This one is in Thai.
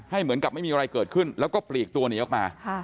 เหมือนกับไม่มีอะไรเกิดขึ้นแล้วก็ปลีกตัวหนีออกมา